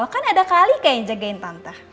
kan ada kak alika yang jagain tante